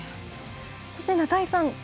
そして、中井さん。